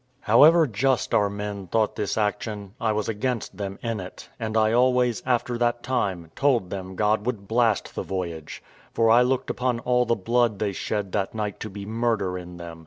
However just our men thought this action, I was against them in it, and I always, after that time, told them God would blast the voyage; for I looked upon all the blood they shed that night to be murder in them.